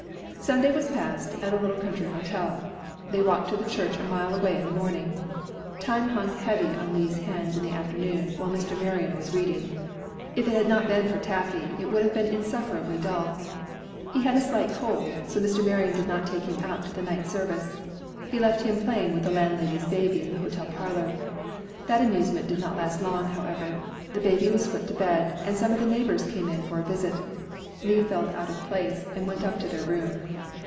Sunday was passed at a little country hotel. They walked to the Church a mile away in the morning. Time hung heavy on Lee's hands in the afternoon while Mr. Marion was reading. If it had not been for Taffy, it would have been insufferably dull. He had a slight cold, so Mr. Marion did not take him out to the night service. He left him playing with the landlady's baby in the hotel parlor. That amusement did not last long, however. The baby was put to bed, and some of the neighbors came in for a visit. Lee felt out of place, and went up to their room.